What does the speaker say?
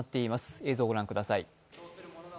映像をご覧ください。